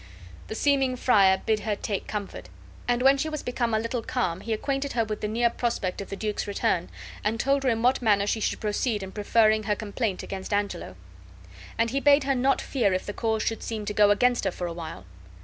The seeming friar bid her take comfort, and when she was become a little calm he acquainted her with the near prospect of the duke's return and told her in what manner she should proceed in preferring her complaint against Angelo; and he bade her not fear if the cause should seem to go against her for a while.